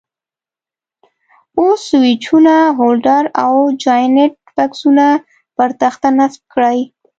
اوس سویچونه، هولډر او جاینټ بکسونه پر تخته نصب کړئ.